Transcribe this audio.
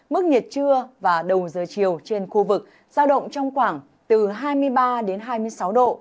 mức nhiệt trưa và đầu giờ chiều trên khu vực giao động trong khoảng từ hai mươi ba đến hai mươi sáu độ